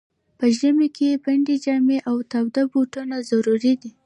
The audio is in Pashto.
په ژمي کي پنډي جامې او تاوده بوټونه ضرور دي.